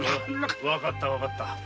わかったわかった。